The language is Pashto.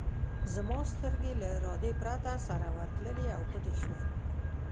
زما سترګې له ارادې پرته سره ورتللې او پټې شوې.